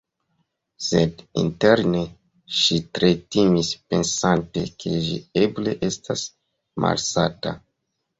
Sed interne ŝi tre timis pensante ke ĝi eble estas malsata.